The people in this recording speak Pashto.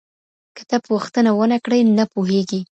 که ته پوښتنه ونکړې نه پوهیږې.